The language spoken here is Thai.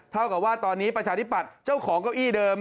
เท่ากับว่าตอนนี้ประชาธิปัตย์เจ้าของเก้าอี้เดิม